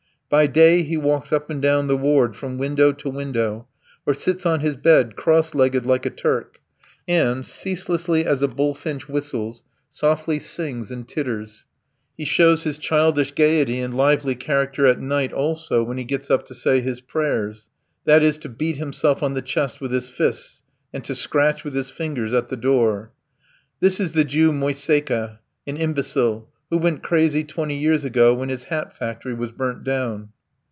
By day he walks up and down the ward from window to window, or sits on his bed, cross legged like a Turk, and, ceaselessly as a bullfinch whistles, softly sings and titters. He shows his childish gaiety and lively character at night also when he gets up to say his prayers that is, to beat himself on the chest with his fists, and to scratch with his fingers at the door. This is the Jew Moiseika, an imbecile, who went crazy twenty years ago when his hat factory was burnt down.